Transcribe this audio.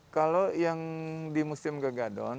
kalau yang di musim kegadon